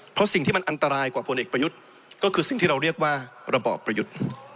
เพราะสิ่งที่มันอันตรายกว่าพลเอกประยุทธ์ก็คือสิ่งที่เราเรียกว่าระบอบประยุทธ์